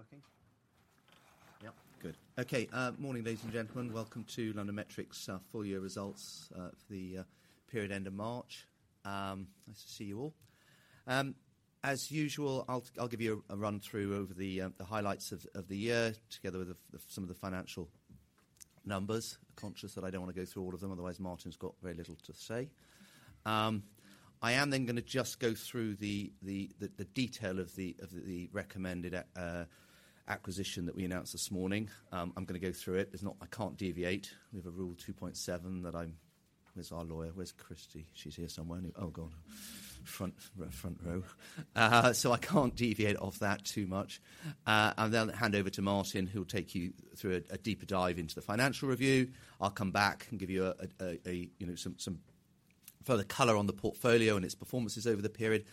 Is this working? Yes. Good. Morning, ladies and gentlemen. Welcome to LondonMetric's full year results for the period end of March. Nice to see you all. As usual, I'll give you a run-through over the highlights of the year together with the some of the financial numbers. Conscious that I don't wanna go through all of them, otherwise Martin's got very little to say. I am gonna just go through the detail of the recommended acquisition that we announced this morning. I'm gonna go through it. I can't deviate. We have a Rule 2.7. Where's our lawyer? Where's Christy? She's here somewhere. Oh, God. Front row. I can't deviate off that too much. Then I'll hand over to Martin, who will take you through a deeper dive into the financial review. I'll come back and give you know, some further color on the portfolio and its performances over the period.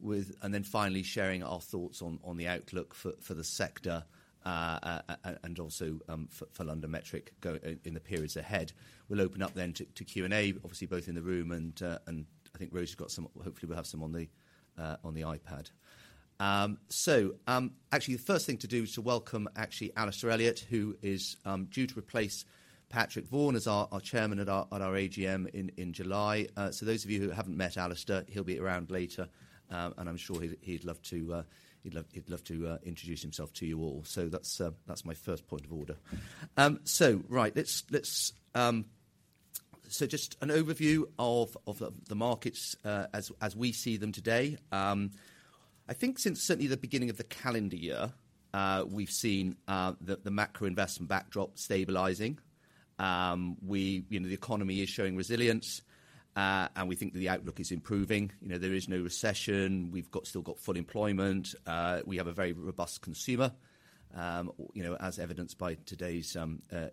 Then finally sharing our thoughts on the outlook for the sector and also for LondonMetric go in the periods ahead. We'll open up then to Q&A, obviously, both in the room and I think Rose has got some. Hopefully, we'll have some on the iPad. Actually the first thing to do is to welcome actually Alistair Elliott. Who is due to replace Patrick Vaughan as our Chairman at our AGM in July. Those of you who haven't met Alistair, he'll be around later. I'm sure he'd love to introduce himself to you all. That's my first point of order. Right. Let's just an overview of the markets as we see them today. I think since certainly the beginning of the calendar year, we've seen the macro investment backdrop stabilizing. We, you know, the economy is showing resilience, and we think that the outlook is improving. You know, there is no recession. Still got full employment. We have a very robust consumer, you know, as evidenced by today's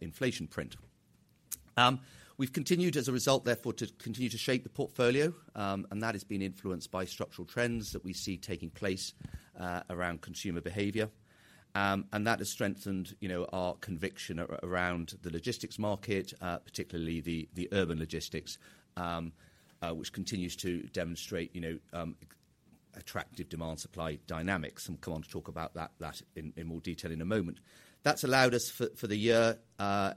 inflation print. We've continued as a result, therefore, to continue to shape the portfolio. That has been influenced by structural trends that we see taking place around consumer behavior. That has strengthened, you know, our conviction around the logistics market, particularly the urban logistics, which continues to demonstrate, you know, attractive demand, supply dynamics. Come on to talk about that in more detail in a moment. That's allowed us for the year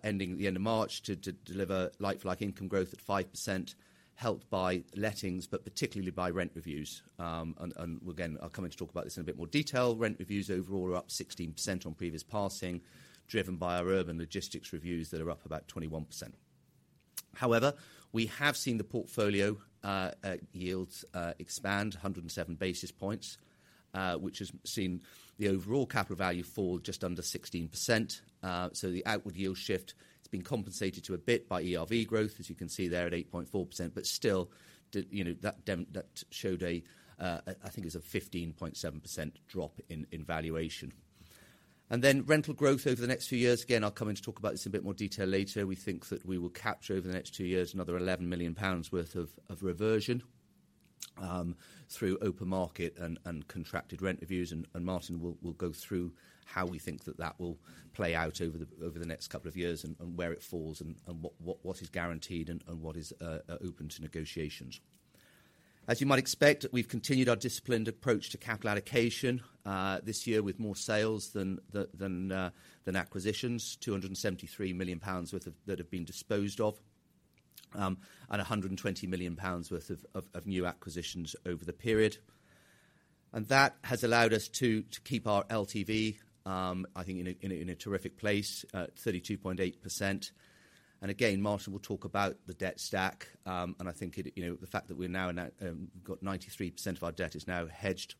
ending at the end of March to deliver like for like income growth at 5% helped by lettings, but particularly by rent reviews. We again are coming to talk about this in a bit more detail. Rent reviews overall are up 16% on previous passing, driven by our urban logistics reviews that are up about 21%. We have seen the portfolio yields expand 107 basis points, which has seen the overall capital value fall just under 16%. The outward yield shift has been compensated to a bit by ERV growth, as you can see there at 8.4%. Still you know, that showed a, I think it's a 15.7% drop in valuation. Then rental growth over the next few years, again, I'll come in to talk about this in a bit more detail later. We think that we will capture over the next two years another 11 million pounds worth of reversion, through open market and contracted rent reviews. Martin will go through how we think that will play out over the next couple of years and where it falls and what is guaranteed and what is open to negotiations. As you might expect, we've continued our disciplined approach to capital allocation this year with more sales than acquisitions, 273 million pounds worth of that have been disposed of, and 120 million pounds worth of new acquisitions over the period. That has allowed us to keep our LTV, I think in a terrific place, at 32.8%. Again, Martin will talk about the debt stack. I think it, you know, the fact that we're now got 93% of our debt is now hedged,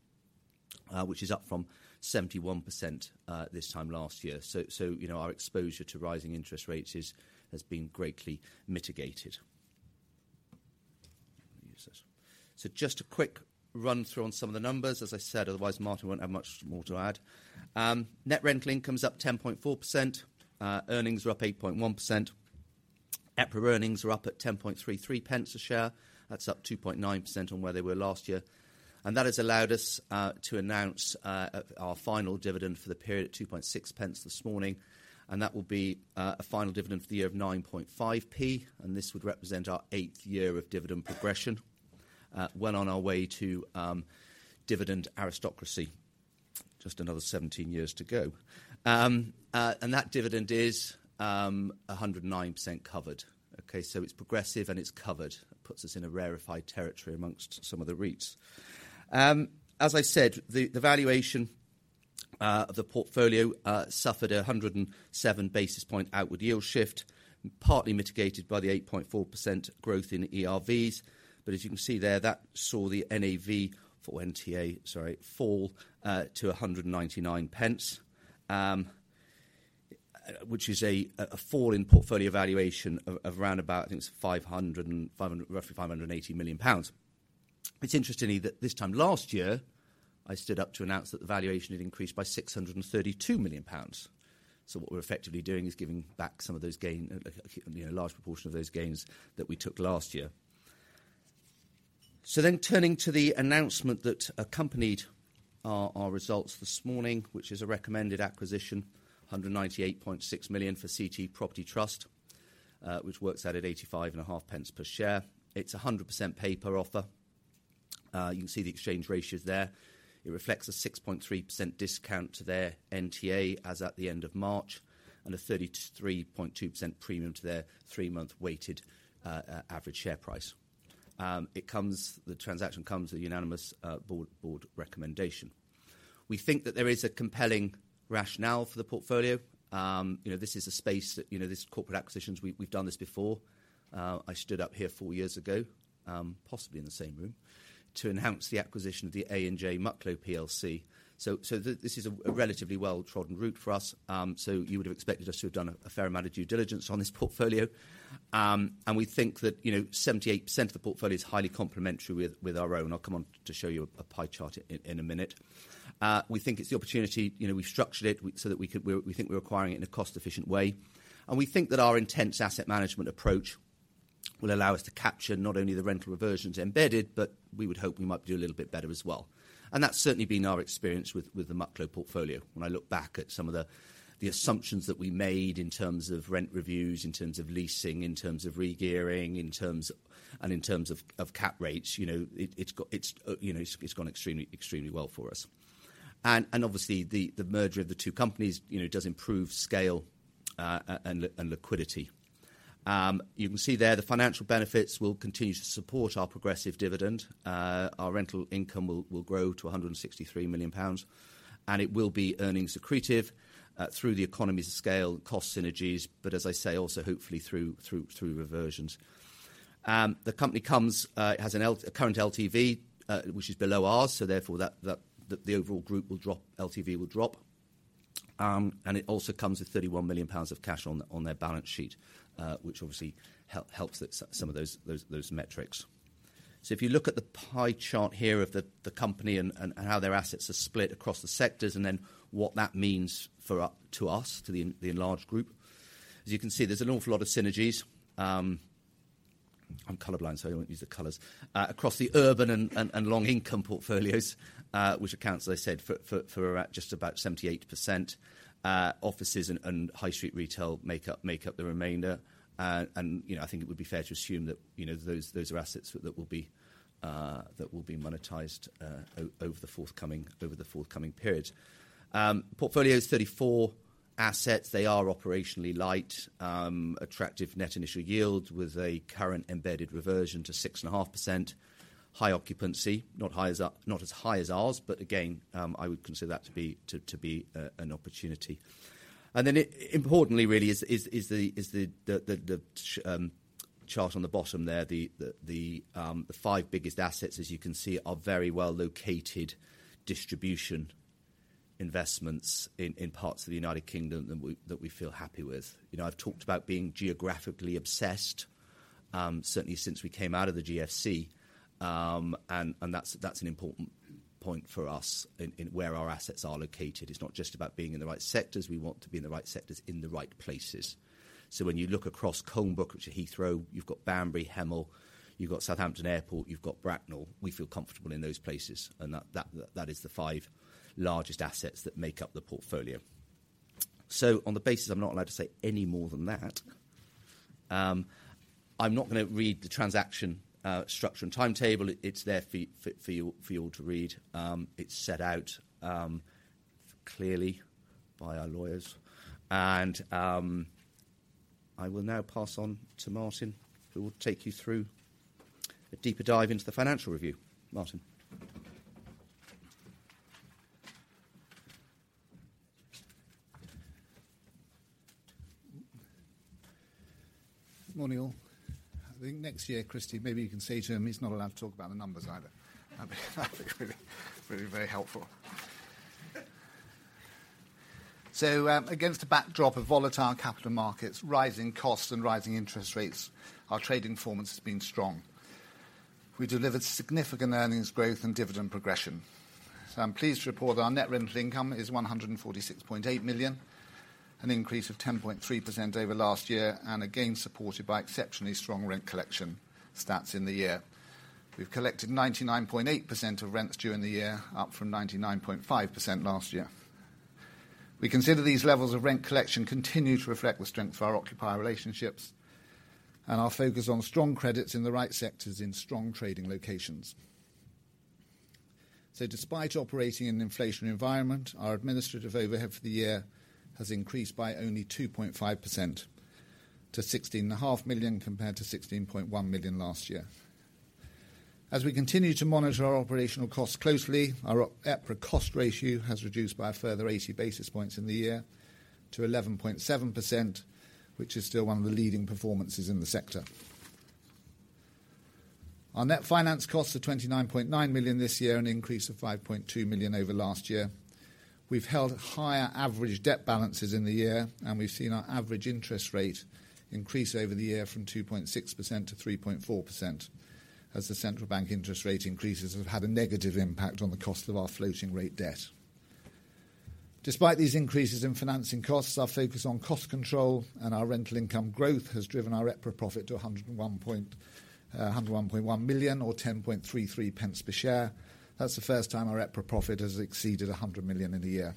which is up from 71% this time last year. You know, our exposure to rising interest rates is, has been greatly mitigated. Let me use this. Just a quick run-through on some of the numbers. As I said, otherwise, Martin won't have much more to add. Net rental income's up 10.4%. Earnings are up 8.1%. EPRA earnings are up at 0.1033 a share. That's up 2.9% on where they were last year. That has allowed us to announce our final dividend for the period at 0.026 this morning. That will be a final dividend for the year of 0.095. This would represent our 8th year of dividend progression. Well on our way to dividend aristocracy. Just another 17 years to go. And that dividend is 109% covered. Okay. It's progressive, and it's covered. Puts us in a rarefied territory amongst some of the REITs. As I said, the valuation of the portfolio suffered 107 basis point outward yield shift, partly mitigated by the 8.4% growth in ERVs. As you can see there, that saw the EPRA NTA, sorry, fall to 1.99, which is a fall in portfolio valuation of around about, I think it's five hundred and. Roughly 580 million pounds. It's interestingly that this time last year, I stood up to announce that the valuation had increased by 632 million pounds. What we're effectively doing is giving back some of those gain, you know, a large proportion of those gains that we took last year. turning to the announcement that accompanied our results this morning, which is a recommended acquisition, GBP 198.6 million for CT Property Trust, which works out at 85 and a half pence per share. It's a 100% paper offer. You can see the exchange ratios there. It reflects a 6.3% discount to their NTA as at the end of March, and a 30%-3.2% premium to their three-month weighted average share price. it comes. The transaction comes with a unanimous board recommendation. We think that there is a compelling rationale for the portfolio. You know, this is a space that, you know, these corporate acquisitions, we've done this before. I stood up here four years ago, possibly in the same room, to announce the acquisition of the A&J Mucklow Plc. This is a relatively well-trodden route for us. You would have expected us to have done a fair amount of due diligence on this portfolio. We think that, you know, 78% of the portfolio is highly complementary with our own. I'll come on to show you a pie chart in a minute. We think it's the opportunity. You know, we've structured it. We think we're acquiring it in a cost-efficient way. We think that our intense asset management approach will allow us to capture not only the rental reversions embedded, but we would hope we might do a little bit better as well. That's certainly been our experience with the Mucklow portfolio. When I look back at some of the assumptions that we made in terms of rent reviews, in terms of leasing, in terms of regearing, and in terms of cap rates, you know, it's gone extremely well for us. Obviously, the merger of the two companies, you know, does improve scale, and liquidity. You can see there, the financial benefits will continue to support our progressive dividend. Our rental income will grow to 163 million pounds. It will be earnings accretive through the economies of scale, cost synergies, but as I say, also hopefully through reversions. The company comes. It has an Current LTV which is below ours. Therefore, that the overall group will drop, LTV will drop. It also comes with 31 million pounds of cash on their balance sheet, which obviously helps with some of those metrics. If you look at the pie chart here of the company and how their assets are split across the sectors, then what that means for to us, to the enlarged group. As you can see, there's an awful lot of synergies, I'm color blind, so I won't use the colors. Across the urban and long income portfolios, which accounts, as I said, for about just about 78%. Offices and high street retail make up the remainder. You know, I think it would be fair to assume that, you know, those are assets that will be monetized over the forthcoming period. Portfolio is 34 assets. They are operationally light. Attractive net initial yield with a current embedded reversion to 6.5%. High occupancy, not high as ours, not as high as ours, again, I would consider that to be an opportunity. It importantly really is the chart on the bottom there, the five biggest assets, as you can see, are very well-located distribution investments in parts of the United Kingdom that we feel happy with. You know, I've talked about being geographically obsessed, certainly since we came out of the GFC. And that's an important point for us in where our assets are located. It's not just about being in the right sectors. We want to be in the right sectors in the right places. When you look across Colnbrook, which are Heathrow, you've got Banbury, Hemel, you've got Southampton Airport, you've got Bracknell. We feel comfortable in those places, and that is the five largest assets that make up the portfolio. On the basis, I'm not allowed to say any more than that. I'm not gonna read the transaction structure and timetable. It's there for you all to read. It's set out clearly by our lawyers. I will now pass on to Martin, who will take you through a deeper dive into the financial review. Martin. Good morning, all. I think next year, Christy, maybe you can say to him, "He's not allowed to talk about the numbers either." That'd be really very helpful. Against a backdrop of volatile capital markets, rising costs, and rising interest rates, our trading performance has been strong. We delivered significant earnings growth and dividend progression. I'm pleased to report that our net rental income is 146.8 million, an increase of 10.3% over last year, and again, supported by exceptionally strong rent collection stats in the year. We've collected 99.8% of rents during the year, up from 99.5% last year. We consider these levels of rent collection continue to reflect the strength of our occupier relationships and our focus on strong credits in the right sectors in strong trading locations. Despite operating in an inflationary environment, our administrative overhead for the year has increased by only 2.5% to 16.5 million, compared to 16.1 million last year. As we continue to monitor our operational costs closely, our EPRA Cost Ratio has reduced by a further 80 basis points in the year to 11.7%, which is still one of the leading performances in the sector. Our net finance costs are 29.9 million this year, an increase of 5.2 million over last year. We've held higher average debt balances in the year, and we've seen our average interest rate increase over the year from 2.6% to 3.4%, as the central bank interest rate increases have had a negative impact on the cost of our floating rate debt. Despite these increases in financing costs, our focus on cost control and our rental income growth has driven our EPRA profit to 101.1 million or 10.33 pence per share. That's the first time our EPRA profit has exceeded 100 million in a year.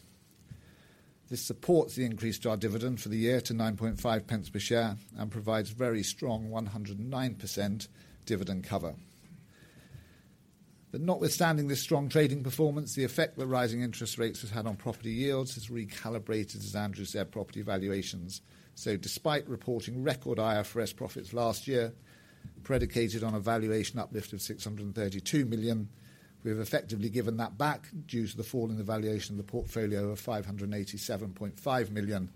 This supports the increase to our dividend for the year to 9.5 pence per share and provides very strong 109% dividend cover. Notwithstanding this strong trading performance, the effect the rising interest rates has had on property yields has recalibrated, as Andrew said, property valuations. Despite reporting record IFRS profits last year, predicated on a valuation uplift of 632 million, we have effectively given that back due to the fall in the valuation of the portfolio of 587.5 million,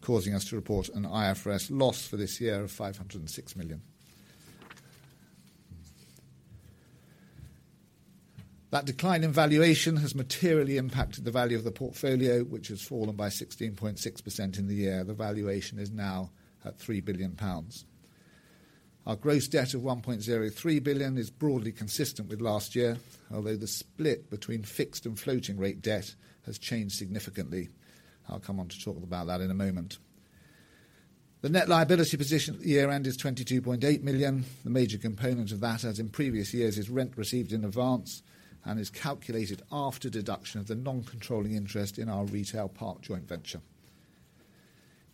causing us to report an IFRS loss for this year of 506 million. That decline in valuation has materially impacted the value of the portfolio, which has fallen by 16.6% in the year. The valuation is now at 3 billion pounds. Our gross debt of 1.03 billion is broadly consistent with last year, although the split between fixed and floating rate debt has changed significantly. I'll come on to talk about that in a moment. The net liability position at year-end is 22.8 million. The major component of that, as in previous years, is rent received in advance and is calculated after deduction of the non-controlling interest in our retail park joint venture.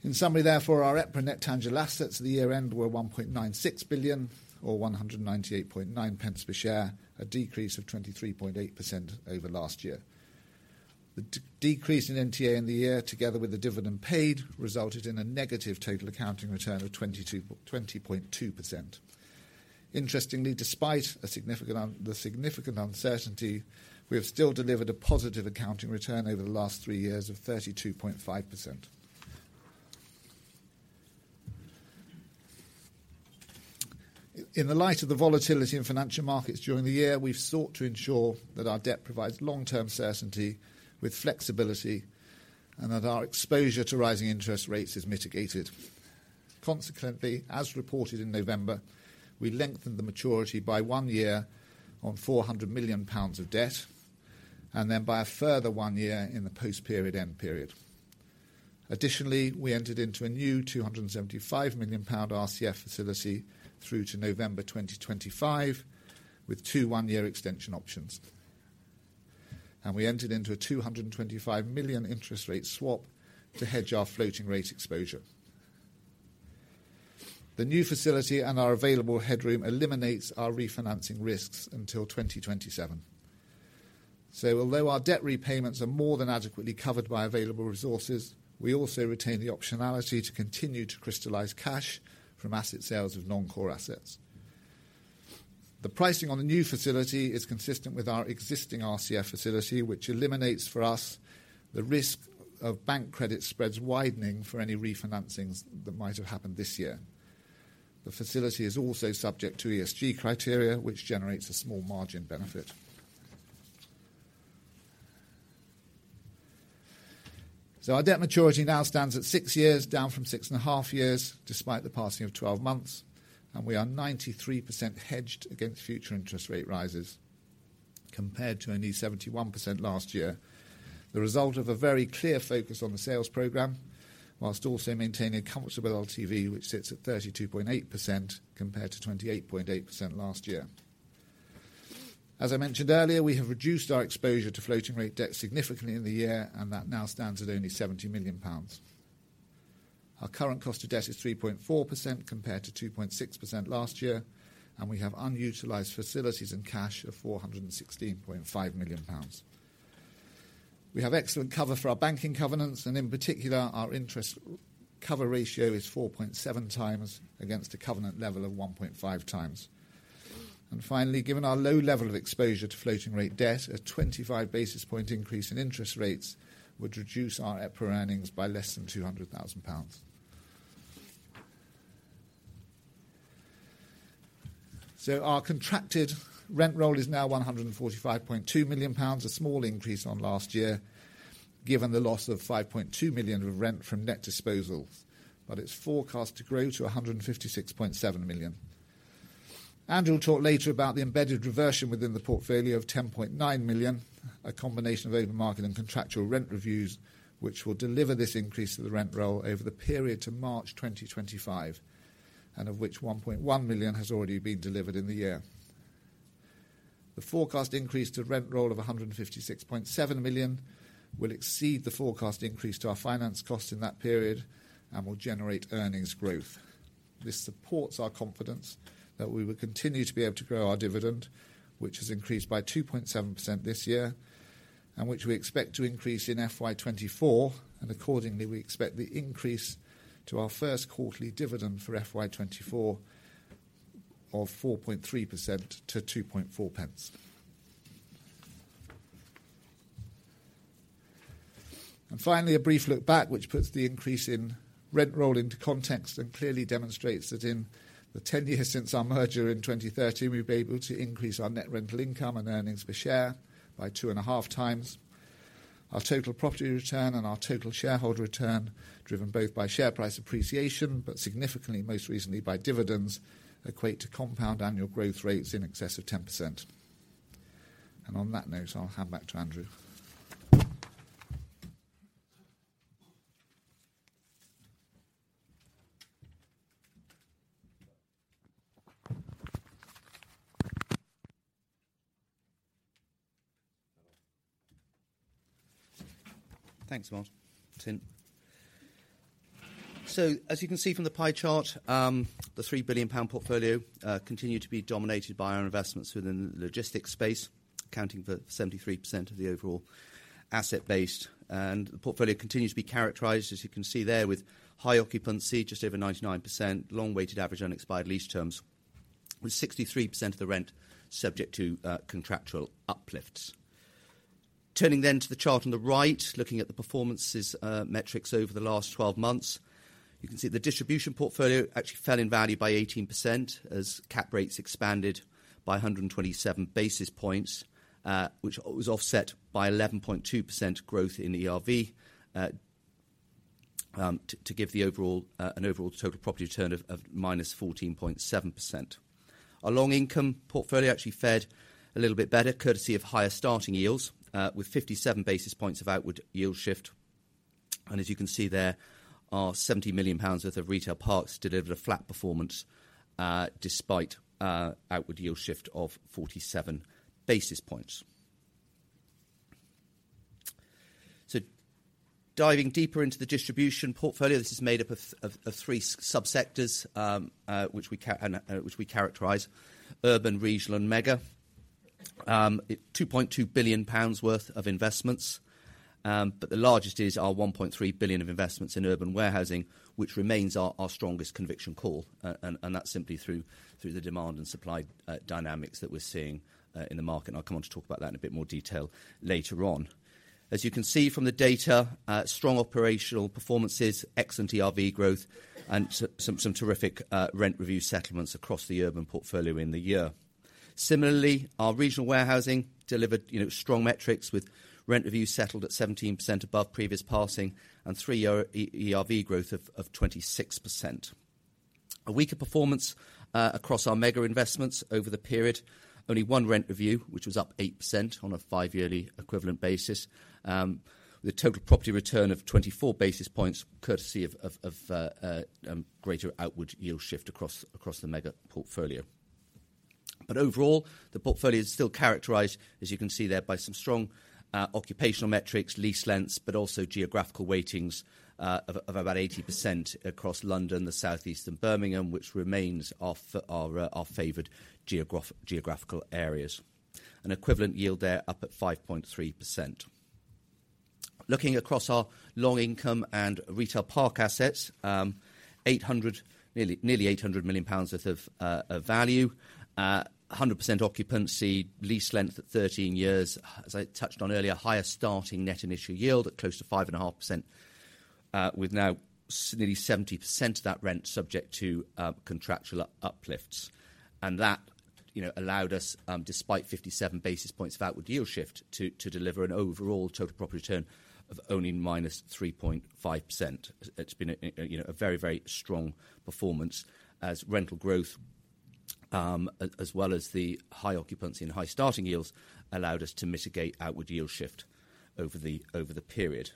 In summary, therefore, our EPRA Net Tangible Assets at the year-end were 1.96 billion or 198.9 pence per share, a decrease of 23.8% over last year. The decrease in NTA in the year, together with the dividend paid, resulted in a negative total accounting return of 20.2%. Interestingly, despite the significant uncertainty, we have still delivered a positive accounting return over the last three years of 32.5%. In the light of the volatility in financial markets during the year, we've sought to ensure that our debt provides long-term certainty with flexibility and that our exposure to rising interest rates is mitigated. Consequently, as reported in November, we lengthened the maturity by one year on 400 million pounds of debt and then by a further one year in the post-period end period. Additionally, we entered into a new 275 million pound RCF facility through to November 2025, with two one-year extension options. We entered into a 225 million interest rate swap to hedge our floating rate exposure. The new facility and our available headroom eliminates our refinancing risks until 2027. Although our debt repayments are more than adequately covered by available resources, we also retain the optionality to continue to crystallize cash from asset sales of non-core assets. The pricing on the new facility is consistent with our existing RCF facility, which eliminates for us the risk of bank credit spreads widening for any refinancings that might have happened this year. The facility is also subject to ESG criteria, which generates a small margin benefit. Our debt maturity now stands at six years, down from six and a half years, despite the passing of 12 months, and we are 93% hedged against future interest rate rises, compared to only 71% last year. The result of a very clear focus on the sales program, whilst also maintaining a comfortable LTV, which sits at 32.8% compared to 28.8% last year. As I mentioned earlier, we have reduced our exposure to floating rate debt significantly in the year. That now stands at only GBP 70 million. Our current cost of debt is 3.4% compared to 2.6% last year. We have unutilized facilities and cash of 416.5 million pounds. We have excellent cover for our banking covenants and in particular, our interest cover ratio is 4.7 times against a covenant level of 1.5 times. Finally, given our low level of exposure to floating rate debt, a 25 basis point increase in interest rates would reduce our EPRA earnings by less than 200,000 pounds. Our contracted rent roll is now 145.2 million pounds, a small increase on last year, given the loss of 5.2 million of rent from net disposals. It's forecast to grow to 156.7 million. Andrew will talk later about the embedded reversion within the portfolio of 10.9 million, a combination of overmarket and contractual rent reviews, which will deliver this increase to the rent roll over the period to March 2025, and of which 1.1 million has already been delivered in the year. The forecast increase to rent roll of 156.7 million will exceed the forecast increase to our finance costs in that period and will generate earnings growth. This supports our confidence that we will continue to be able to grow our dividend, which has increased by 2.7% this year, which we expect to increase in FY24. Accordingly, we expect the increase to our first quarterly dividend for FY24 of 4.3% to GBP 0.024. Finally, a brief look back, which puts the increase in rent roll into context and clearly demonstrates that in the 10 years since our merger in 2013, we've been able to increase our net rental income and earnings per share by 2.5 times. Our total property return and our total shareholder return, driven both by share price appreciation, but significantly most recently by dividends, equate to compound annual growth rates in excess of 10%. On that note, I'll hand back to Andrew. Thanks, Martin. As you can see from the pie chart, the 3 billion pound portfolio continued to be dominated by our investments within the logistics space, accounting for 73% of the overall asset base. The portfolio continued to be characterized, as you can see there, with high occupancy, just over 99%, long-weighted average unexpired lease terms, with 63% of the rent subject to contractual uplifts. Turning then to the chart on the right, looking at the performances metrics over the last 12 months, you can see the distribution portfolio actually fell in value by 18% as cap rates expanded by 127 basis points, which was offset by 11.2% growth in ERV, to give the overall an overall total property return of -14.7%. Our long income portfolio actually fared a little bit better courtesy of higher starting yields, with 57 basis points of outward yield shift. As you can see there, our 70 million pounds worth of retail parks delivered a flat performance, despite a outward yield shift of 47 basis points. Diving deeper into the distribution portfolio, this is made up of three subsectors, which we characterize urban, regional, and mega. 2.2 billion pounds worth of investments, but the largest is our 1.3 billion of investments in urban warehousing, which remains our strongest conviction call, and that's simply through the demand and supply dynamics that we're seeing in the market. I'll come on to talk about that in a bit more detail later on. As you can see from the data, strong operational performances, excellent ERV growth and some terrific rent review settlements across the urban portfolio in the year. Similarly, our regional warehousing delivered, you know, strong metrics with rent reviews settled at 17% above previous passing and three-year ERV growth of 26%. A weaker performance across our mega investments over the period. Only one rent review, which was up 8% on a five-yearly equivalent basis. The total property return of 24 basis points courtesy of greater outward yield shift across the mega portfolio. Overall, the portfolio is still characterized, as you can see there, by some strong occupational metrics, lease lengths, but also geographical weightings of about 80% across London, the Southeast and Birmingham, which remains our favored geographical areas. An equivalent yield there up at 5.3%. Looking across our long income and retail park assets, nearly 800 million pounds worth of value. 100% occupancy, lease length at 13 years. As I touched on earlier, higher starting net initial yield at close to 5.5%, with now nearly 70% of that rent subject to contractual uplifts. That, you know, allowed us, despite 57 basis points of outward yield shift to deliver an overall total property return of only minus 3.5%. It's been a, you know, a very, very strong performance as rental growth, as well as the high occupancy and high starting yields allowed us to mitigate outward yield shift over the period.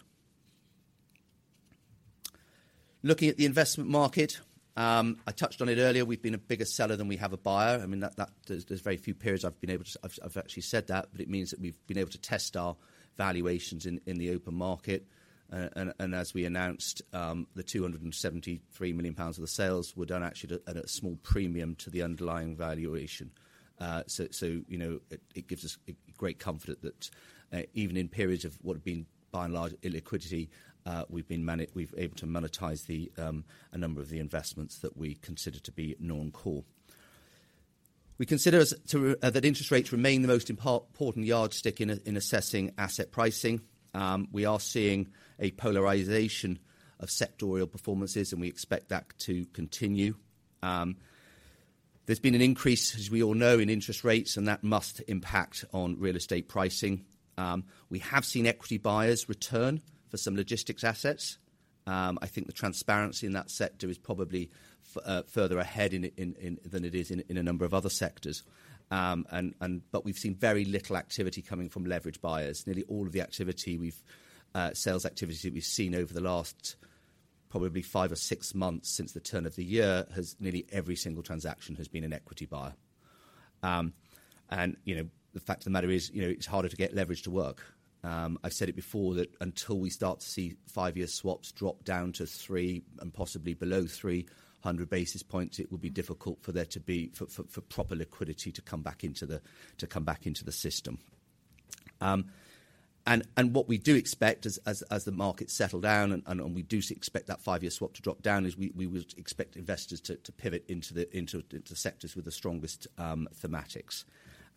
Looking at the investment market, I touched on it earlier, we've been a bigger seller than we have a buyer. I mean, that there's very few periods I've been able to actually said that, but it means that we've been able to test our valuations in the open market. As we announced, the 273 million pounds of the sales were done actually at a small premium to the underlying valuation. You know, it gives us great comfort that even in periods of what have been by and large illiquidity, we've been able to monetize a number of the investments that we consider to be non-core. We consider as to that interest rates remain the most important yardstick in assessing asset pricing. We are seeing a polarization of sectorial performances, we expect that to continue. There's been an increase, as we all know, in interest rates, that must impact on real estate pricing. We have seen equity buyers return for some logistics assets. I think the transparency in that sector is probably further ahead in it than it is in a number of other sectors. We've seen very little activity coming from leverage buyers. Nearly all of the activity we've, sales activity we've seen over the last probably five or six months since the turn of the year nearly every single transaction has been an equity buyer. You know, the fact of the matter is, you know, it's harder to get leverage to work. I've said it before that until we start to see five-year swaps drop down to three and possibly below 300 basis points, it will be difficult for proper liquidity to come back into the system. What we do expect as the markets settle down and we do expect that five-year swap to drop down, is we would expect investors to pivot into sectors with the strongest thematics.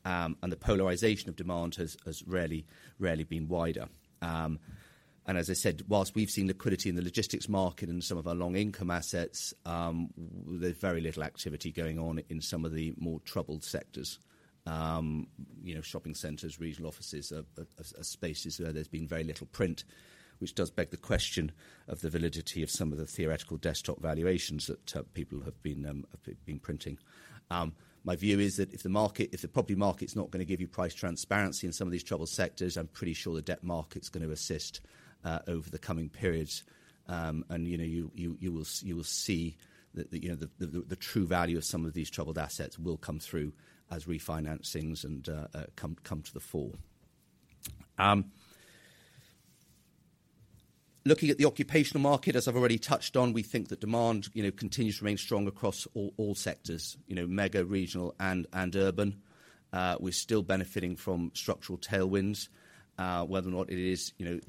The polarization of demand has rarely been wider. As I said, whilst we've seen liquidity in the logistics market and some of our long income assets, there's very little activity going on in some of the more troubled sectors. You know, shopping centers, regional offices are spaces where there's been very little print, which does beg the question of the validity of some of the theoretical desktop valuations that people have been printing. My view is that if the market, if the property market's not gonna give you price transparency in some of these troubled sectors, I'm pretty sure the debt market's gonna assist over the coming periods. You know, you, you will see that, you know, the, the true value of some of these troubled assets will come through as refinancings and come to the fore. Looking at the occupational market, as I've already touched on, we think that demand, you know, continues to remain strong across all sectors, you know, mega, regional, and urban. We're still benefiting from structural tailwinds. Whether or not it is, you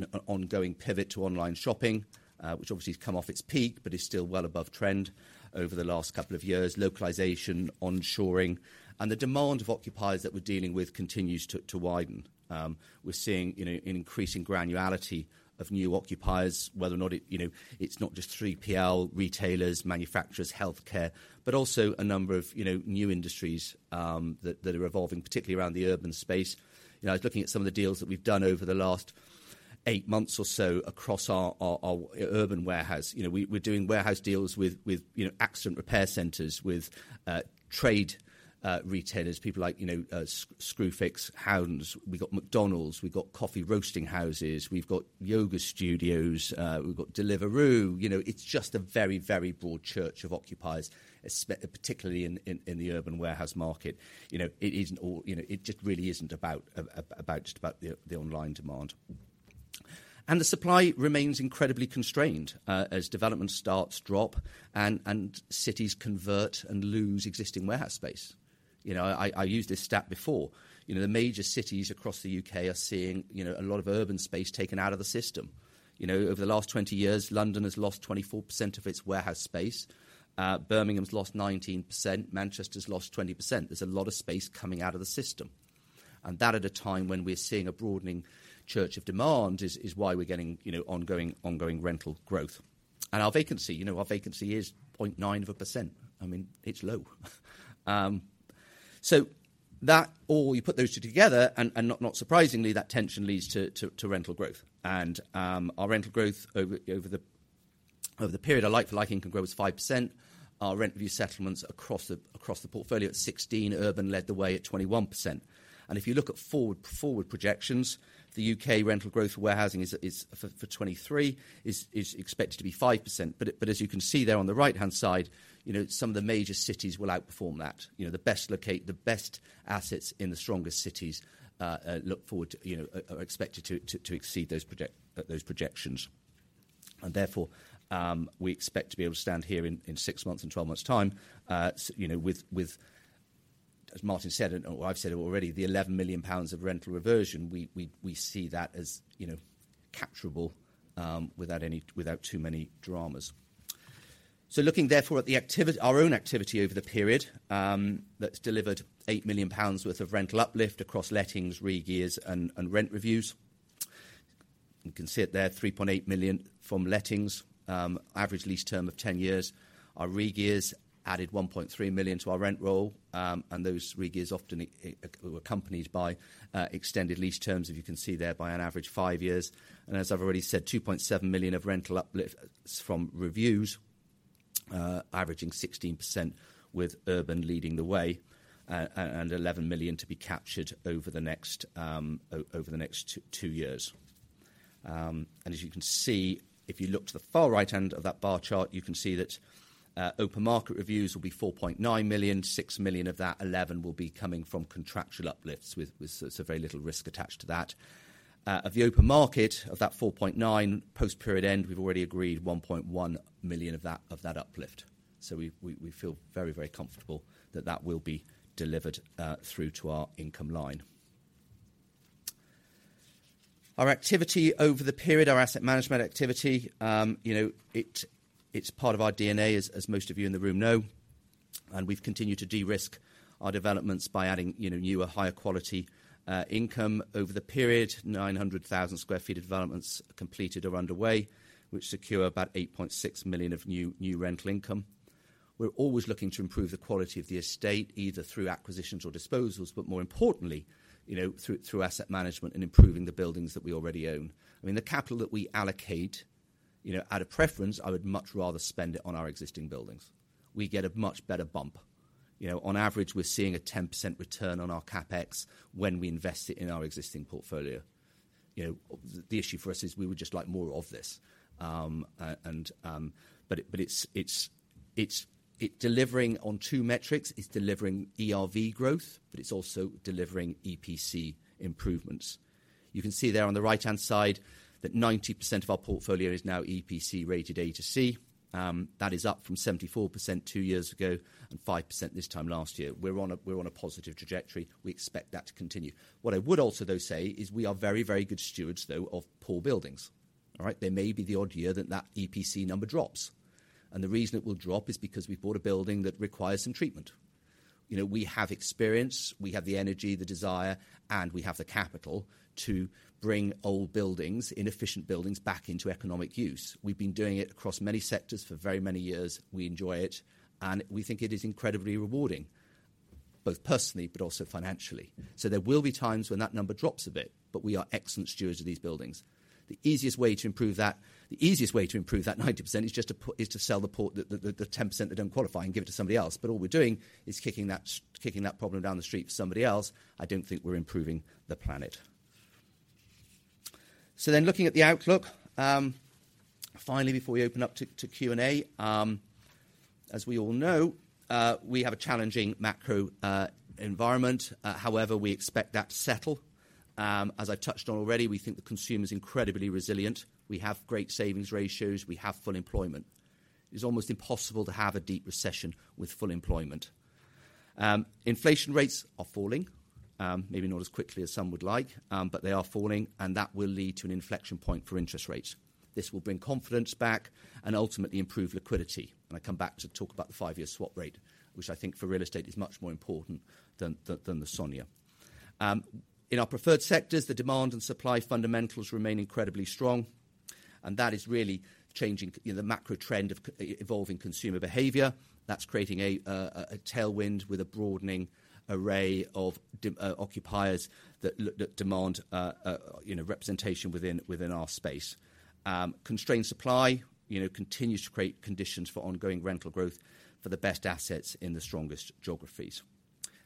know, ongoing pivot to online shopping, which obviously has come off its peak, but is still well above trend over the last couple of years. Localization, onshoring, and the demand of occupiers that we're dealing with continues to widen. We're seeing, you know, an increasing granularity of new occupiers, whether or not it, you know, it's not just 3PL retailers, manufacturers, healthcare. Also a number of, you know, new industries that are evolving, particularly around the urban space. You know, I was looking at some of the deals that we've done over the last eight months or so across our urban warehouse. You know, we're doing warehouse deals with, you know, accident repair centers, with trade retailers. People like, you know, Screwfix, Howdens. We've got McDonald's, we've got coffee roasting houses. We've got yoga studios. We've got Deliveroo. You know, it's just a very broad church of occupiers particularly in the urban warehouse market. You know, it isn't all. You know, it just really isn't about, just about the online demand. The supply remains incredibly constrained as development starts drop and cities convert and lose existing warehouse space. You know, I used this stat before. You know, the major cities across the U.K. are seeing, you know, a lot of urban space taken out of the system. You know, over the last 20 years, London has lost 24% of its warehouse space. Birmingham's lost 19%. Manchester's lost 20%. There's a lot of space coming out of the system. That at a time when we're seeing a broadening church of demand is why we're getting, you know, ongoing rental growth. Our vacancy, you know, is 0.9%. I mean, it's low. That all, you put those two together and not surprisingly, that tension leads to rental growth. Our rental growth over the period are like for like income growth is 5%. Our rent review settlements across the portfolio at 16%. Urban led the way at 21%. If you look at forward projections, the U.K. rental growth warehousing for 2023 is expected to be 5%. As you can see there on the right-hand side, you know, some of the major cities will outperform that. You know, the best assets in the strongest cities look forward to, you know, are expected to exceed those projections. Therefore, we expect to be able to stand here in six months and 12 months' time, you know, with, as Martin said, and I've said it already, the 11 million pounds of rental reversion, we see that as, you know, capturable, without any, without too many dramas. Looking therefore at our own activity over the period, that's delivered 8 million pounds worth of rental uplift across lettings, regears and rent reviews. You can see it there, 3.8 million from lettings. Average lease term of 10 years. Our regears added 1.3 million to our rent roll. And those regears often accompanied by extended lease terms, if you can see there, by an average five years. As I've already said, 2.7 million of rental uplift from reviews, averaging 16% with urban leading the way, 11 million to be captured over the next two years. As you can see, if you look to the far right end of that bar chart, you can see that open market reviews will be 4.9 million. 6 million of that 11 will be coming from contractual uplifts with so very little risk attached to that. Of the open market, of that 4.9 post-period end, we've already agreed 1.1 million of that, of that uplift. So we feel very, very comfortable that that will be delivered through to our income line. Our activity over the period, our asset management activity, you know, it's part of our DNA, as most of you in the room know, and we've continued to de-risk our developments by adding, you know, newer, higher quality income. Over the period, 900,000 sq ft of developments completed are underway, which secure about 8.6 million of new rental income. We're always looking to improve the quality of the estate, either through acquisitions or disposals, but more importantly, you know, through asset management and improving the buildings that we already own. I mean, the capital that we allocate, you know, out of preference, I would much rather spend it on our existing buildings. We get a much better bump. You know, on average, we're seeing a 10% return on our CapEx when we invest it in our existing portfolio. You know, the issue for us is we would just like more of this. It's delivering on two metrics. It's delivering ERV growth, but it's also delivering EPC improvements. You can see there on the right-hand side that 90% of our portfolio is now EPC rated A to C. That is up from 74% two years ago and 5% this time last year. We're on a positive trajectory. We expect that to continue. What I would also though say is we are very, very good stewards, though, of poor buildings. All right? There may be the odd year that that EPC number drops. The reason it will drop is because we bought a building that requires some treatment. You know, we have experience, we have the energy, the desire, and we have the capital to bring old buildings, inefficient buildings back into economic use. We've been doing it across many sectors for very many years. We enjoy it, and we think it is incredibly rewarding, both personally but also financially. There will be times when that number drops a bit, but we are excellent stewards of these buildings. The easiest way to improve that 90% is to sell the poor, the 10% that don't qualify and give it to somebody else. All we're doing is kicking that problem down the street to somebody else. I don't think we're improving the planet. Looking at the outlook, finally, before we open up to Q&A. As we all know, we have a challenging macro environment. However, we expect that to settle. As I touched on already, we think the consumer is incredibly resilient. We have great savings ratios, we have full employment. It's almost impossible to have a deep recession with full employment. Inflation rates are falling, maybe not as quickly as some would like, but they are falling, and that will lead to an inflection point for interest rates. This will bring confidence back and ultimately improve liquidity. I come back to talk about the five-year swap rate, which I think for real estate is much more important than the SONIA. In our preferred sectors, the demand and supply fundamentals remain incredibly strong, and that is really changing, you know, the macro trend of evolving consumer behavior. That's creating a tailwind with a broadening array of occupiers that demand, you know, representation within our space. Constrained supply, you know, continues to create conditions for ongoing rental growth for the best assets in the strongest geographies.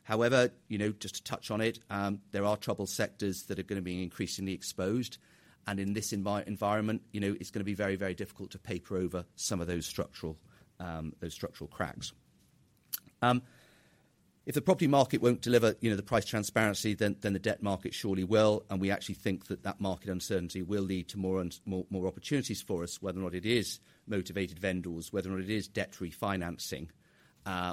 However, you know, just to touch on it, there are troubled sectors that are gonna be increasingly exposed, and in this environment, you know, it's gonna be very, very difficult to paper over some of those structural, those structural cracks. If the property market won't deliver, you know, the price transparency, then the debt market surely will. We actually think that that market uncertainty will lead to more and more opportunities for us, whether or not it is motivated vendors, whether or not it is debt refinancing,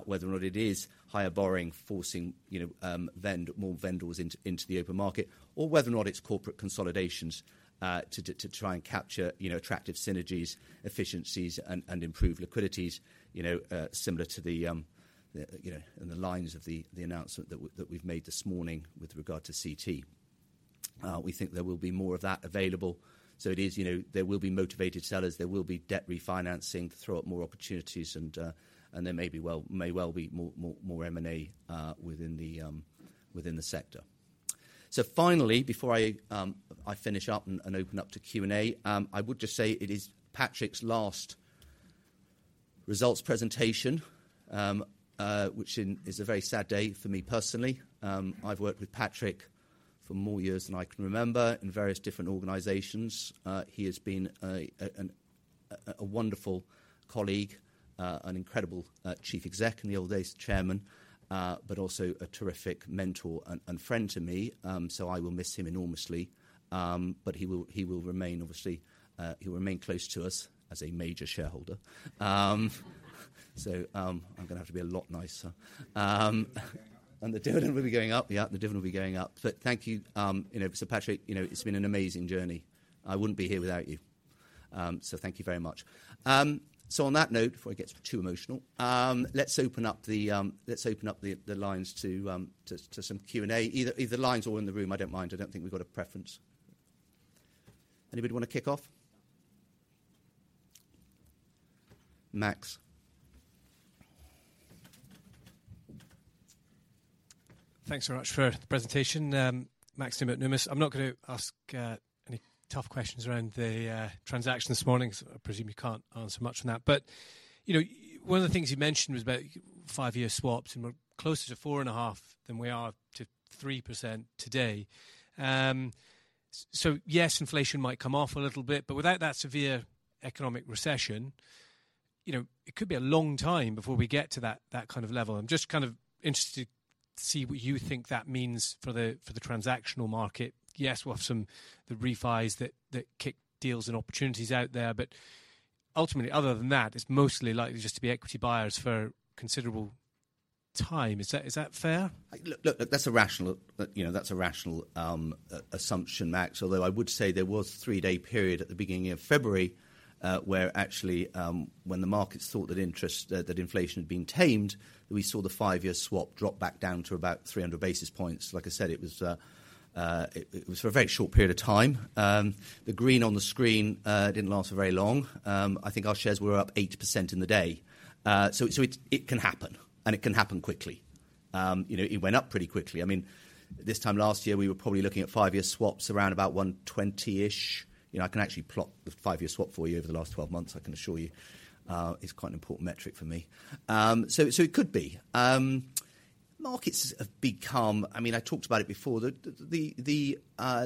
whether or not it is higher borrowing, forcing, you know, more vendors into the open market or whether or not it's corporate consolidations to try and capture, you know, attractive synergies, efficiencies and improve liquidities, you know, similar to the, you know, in the lines of the announcement that we've made this morning with regard to CT. We think there will be more of that available, you know. There will be motivated sellers, there will be debt refinancing to throw out more opportunities, and there may well be more M&A within the within the sector. Finally, before I finish up and open up to Q&A, I would just say it is Patrick's last results presentation, which is a very sad day for me personally. I've worked with Patrick for more years than I can remember in various different organizations. He has been a wonderful colleague, an incredible chief exec in the old days, chairman, but also a terrific mentor and friend to me. I will miss him enormously, but he will remain obviously, he'll remain close to us as a major shareholder. I'm gonna have to be a lot nicer. The dividend will be going up. Yeah, the dividend will be going up. Thank you. you know, Patrick, you know, it's been an amazing journey. I wouldn't be here without you. So thank you very much. On that note, before it gets too emotional, let's open up the lines to some Q&A, either lines or in the room, I don't mind. I don't think we've got a preference. Anybody wanna kick off? Max. Thanks so much for the presentation. Max Nimmo, Numis. I'm not gonna ask any tough questions around the transaction this morning 'cause I presume you can't answer much on that. You know, one of the things you mentioned was about five-year swaps, and we're closer to 4.5 than we are to 3% today. So yes, inflation might come off a little bit, but without that severe economic recession, you know, it could be a long time before we get to that kind of level. I'm just kind of interested to see what you think that means for the transactional market. Yes, we'll have the refis that kick deals and opportunities out there. Ultimately, other than that, it's mostly likely just to be equity buyers for considerable time. Is that fair? Look, that's a rational, you know, that's a rational assumption, Max. Although I would say there was a three-day period at the beginning of February, where actually, when the markets thought that interest, that inflation had been tamed, we saw the five-year swap drop back down to about 300 basis points. Like I said, it was for a very short period of time. The green on the screen didn't last for very long. I think our shares were up 80% in the day. It can happen, and it can happen quickly. You know, it went up pretty quickly. I mean, this time last year we were probably looking at five-year swaps around about 120-ish. You know, I can actually plot the five-year swap for you over the last 12 months. I can assure you. It's quite an important metric for me. So it could be. Markets have become. I mean, I talked about it before. The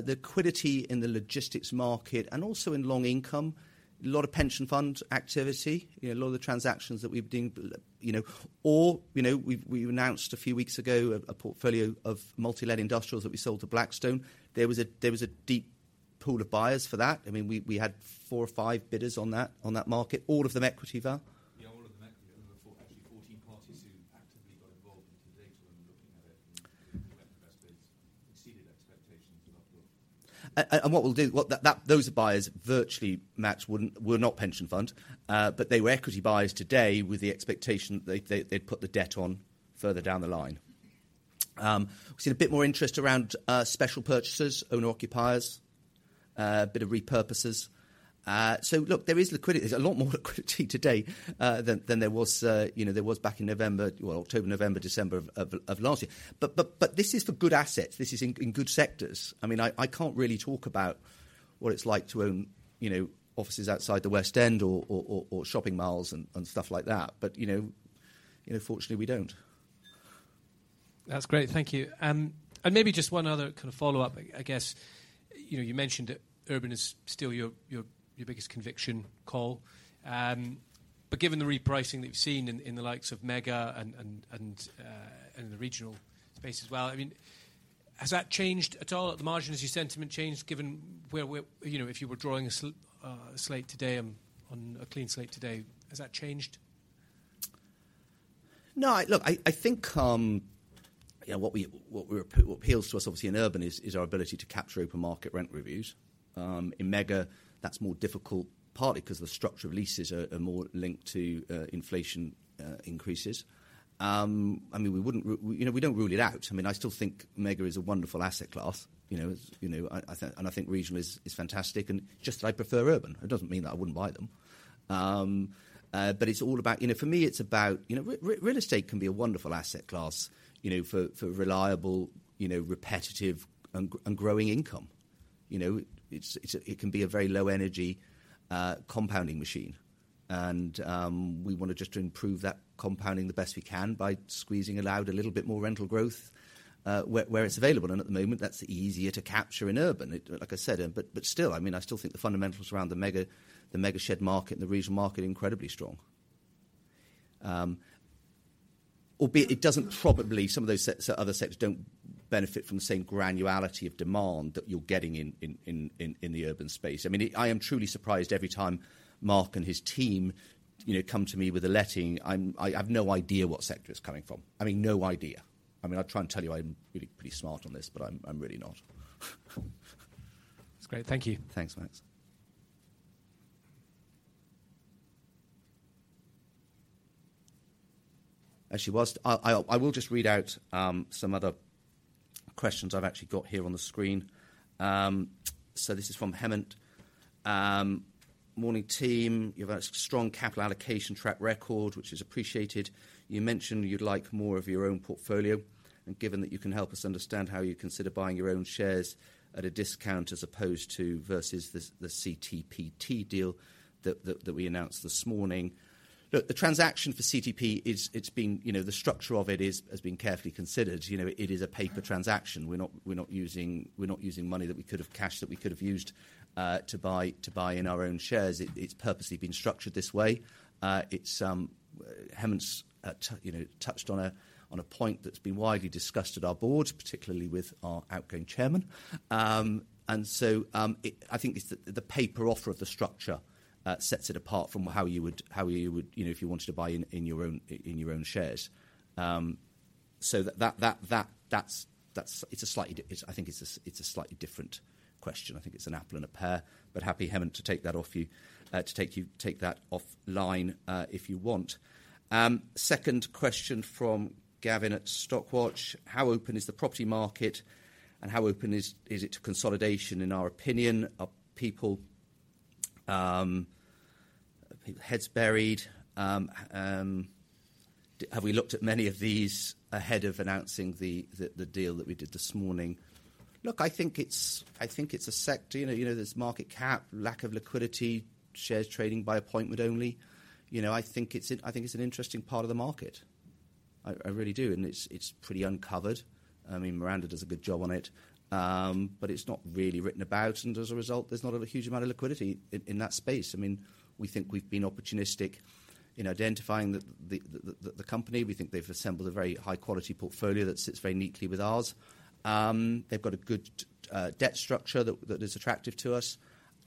liquidity in the logistics market and also in long income, a lot of pension fund activity, you know, a lot of the transactions that we've been, you know. You know, we've announced a few weeks ago a portfolio of multi-let industrials that we sold to Blackstone. There was a deep pool of buyers for that. I mean, we had four or five bidders on that market, all of them equity. Yeah, all of them equity. There were actually 14 parties who actively got involved in due diligence and looking at it, and we think the best bids exceeded expectations as well. What we'll do, those buyers virtually matched were not pension funds, but they were equity buyers today with the expectation that they'd put the debt on further down the line. We've seen a bit more interest around special purchasers, owner-occupiers, a bit of repurposes. Look, there is liquidity. There's a lot more liquidity today than there was, you know, there was back in November, well, October, November, December of last year. This is for good assets. This is in good sectors. I mean, I can't really talk about what it's like to own, you know, offices outside the West End or shopping malls and stuff like that. You know, fortunately, we don't. That's great. Thank you. Maybe just one other kind of follow-up, I guess. You know, you mentioned that urban is still your biggest conviction call. Given the repricing that you've seen in the likes of mega and in the regional space as well, I mean, has that changed at all? Have the margins, has your sentiment changed given where we're. You know, if you were drawing a slate today on a clean slate today, has that changed? No. Look, I think, you know, what appeals to us obviously in urban is our ability to capture open market rent reviews. In mega, that's more difficult, partly 'cause the structure of leases are more linked to inflation increases. I mean, You know, we don't rule it out. I mean, I still think mega is a wonderful asset class, you know, it's, you know. I think regional is fantastic. Just I prefer urban. It doesn't mean that I wouldn't buy them. It's all about. You know, for me, it's about, you know, real estate can be a wonderful asset class, you know, for reliable, you know, repetitive and growing income. You know, it can be a very low energy, compounding machine. We wanna just improve that compounding the best we can by squeezing aloud a little bit more rental growth, where it's available. At the moment, that's easier to capture in urban, like I said. Still, I mean, I still think the fundamentals around the mega shed market and the regional market are incredibly strong. Albeit it doesn't probably. Some of those other sectors don't benefit from the same granularity of demand that you're getting in the urban space. I mean, I am truly surprised every time Mark and his team, you know, come to me with a letting. I've no idea what sector it's coming from. I mean, no idea. I mean, I'll try and tell you I'm really pretty smart on this, but I'm really not. That's great. Thank you. Thanks, Max. As she was, I will just read out some other questions I've actually got here on the screen. This is from Hemant. "Morning, team. You've a strong capital allocation track record, which is appreciated. You mentioned you'd like more of your own portfolio. Given that you can help us understand how you consider buying your own shares at a discount as opposed to versus the CTPT deal that we announced this morning." Look, the transaction for CTP, it's been, you know, the structure of it has been carefully considered. You know, it is a paper transaction. We're not using money that we could have cashed, that we could have used to buy in our own shares. It's purposely been structured this way. It's, you know, Hemant's touched on a point that's been widely discussed at our board, particularly with our outgoing Chairman. I think it's the paper offer of the structure sets it apart from how you would, you know, if you wanted to buy in your own shares. That's, I think it's a slightly different question. I think it's an apple and a pear. Happy, Hemant, to take that off you, to take that offline, if you want. Second question from Gavin at Stockwatch. "How open is the property market, and how open is it to consolidation, in our opinion? Are people heads buried? Have we looked at many of these ahead of announcing the deal that we did this morning? Look, I think it's, I think it's a You know, you know, there's market cap, lack of liquidity, shares trading by appointment only. You know, I think it's a, I think it's an interesting part of the market. I really do. It's, it's pretty uncovered. I mean, Miranda does a good job on it. It's not really written about, and as a result, there's not a huge amount of liquidity in that space. I mean, we think we've been opportunistic in identifying the company. We think they've assembled a very high quality portfolio that sits very neatly with ours. They've got a good debt structure that is attractive to us.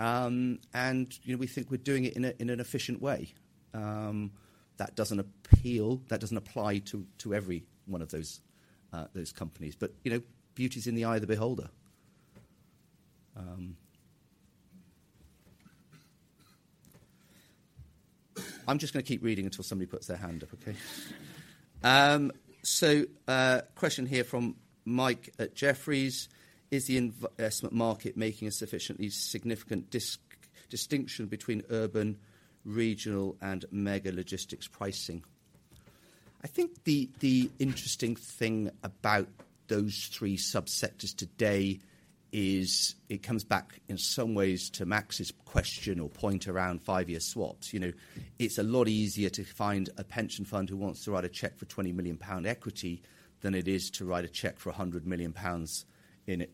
You know, we think we're doing it in an efficient way that doesn't appeal, that doesn't apply to every one of those companies. You know, beauty's in the eye of the beholder. I'm just gonna keep reading until somebody puts their hand up, okay? Question here from Mike at Jefferies. Is the investment market making a sufficiently significant distinction between urban, regional, and mega logistics pricing? I think the interesting thing about those three sub-sectors today is it comes back in some ways to Max's question or point around five-year swaps. You know, it's a lot easier to find a pension fund who wants to write a check for 20 million pound equity than it is to write a check for 100 million pounds in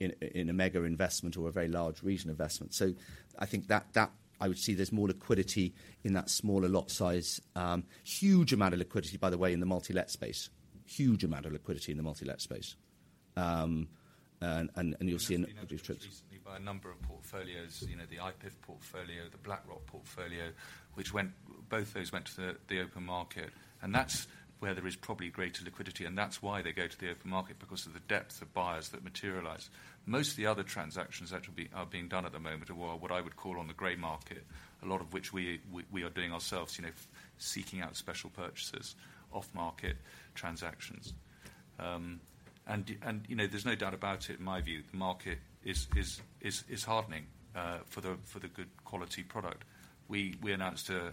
a mega investment or a very large regional investment. I think that. I would see there's more liquidity in that smaller lot size. Huge amount of liquidity, by the way, in the multi-let space. Huge amount of liquidity in the multi-let space. You'll see in. Recently by a number of portfolios, you know, the IPO portfolio, the BlackRock portfolio, which went. Both those went to the open market. That's where there is probably greater liquidity, and that's why they go to the open market because of the depth of buyers that materialize. Most of the other transactions that are being done at the moment are what I would call on the gray market. A lot of which we are doing ourselves, you know, seeking out special purchases, off-market transactions. You know, there's no doubt about it, in my view, the market is hardening for the good quality product. We announced a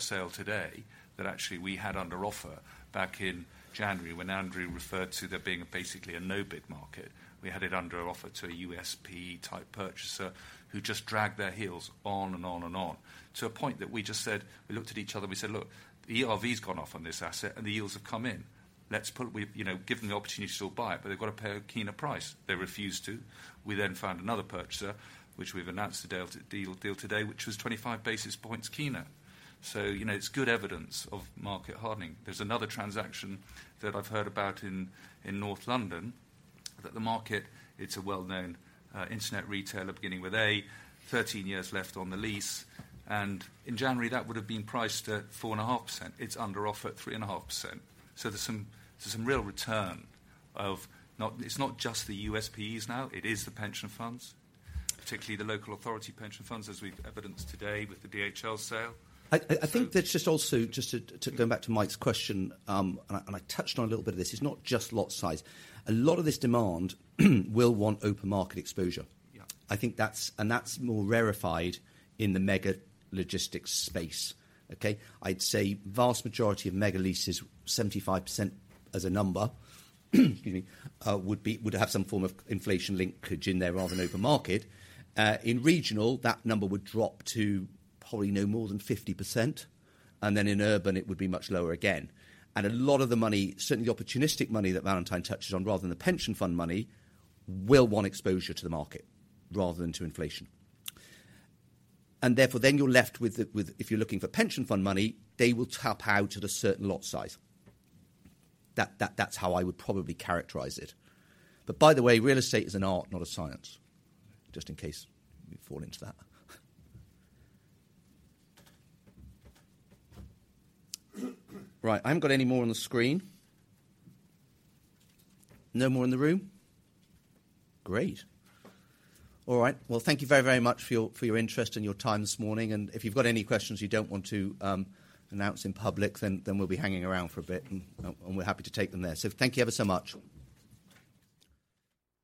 sale today that actually we had under offer back in January when Andrew referred to there being basically a no bid market. We had it under offer to a USP type purchaser who just dragged their heels on and on and on, to a point that we just said, we looked at each other and we said, "Look, the ERV has gone off on this asset and the yields have come in." Let's, you know, give them the opportunity to still buy it, but they've got to pay a keener price. They refused to. We then found another purchaser, which we've announced the deal today, which was 25 basis points keener. You know, it's good evidence of market hardening. There's another transaction that I've heard about in North London that the market, it's a well-known internet retailer beginning with A, 13 years left on the lease. In January, that would have been priced at 4.5%. It's under offer at 3.5%. There's some real return not just the USPEs now, it is the pension funds, particularly the local authority pension funds, as we've evidenced today with the DHL sale. I think there's just also, just to going back to Mike's question. I touched on a little bit of this. It's not just lot size. A lot of this demand will want open market exposure. Yeah. I think that's more rarified in the mega logistics space. Okay? I'd say vast majority of mega leases, 75% as a number, excuse me, would have some form of inflation linkage in there rather than open market. In regional, that number would drop to probably no more than 50%. Then in urban, it would be much lower again. A lot of the money, certainly the opportunistic money that Valentine touches on rather than the pension fund money, will want exposure to the market rather than to inflation. Therefore, then you're left with the. If you're looking for pension fund money, they will tap out at a certain lot size. That's how I would probably characterize it. By the way, real estate is an art, not a science. Just in case we fall into that. Right. I haven't got any more on the screen. No more in the room? Great. All right. Well, thank you very, very much for your, for your interest and your time this morning. If you've got any questions you don't want to announce in public, then we'll be hanging around for a bit and we're happy to take them there. Thank you ever so much.